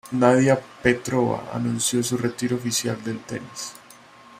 Nadia Petrova anunció su retiro oficial del tenis.